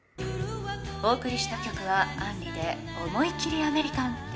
お送りした曲は杏里で『思いきりアメリカン』でした。